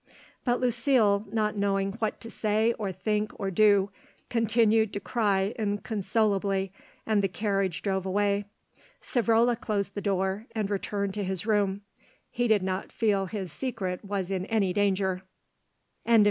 But Lucile, not knowing what to say or think or do, continued to cry inconsolably and the carriage drove away. Savrola closed the door and returned to his room. He did not feel his secret was in any danger. CHAPTER XII.